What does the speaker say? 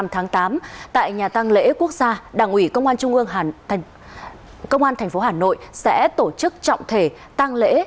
năm tháng tám tại nhà tăng lễ quốc gia đảng ủy công an trung ương hà nội sẽ tổ chức trọng thể tăng lễ